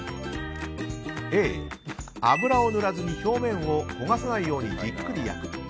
Ａ、油を塗らずに表面を焦がさないようにじっくり焼く。